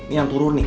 ini yang turun nih